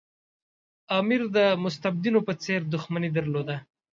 امیر د مستبدینو په څېر دښمني درلوده.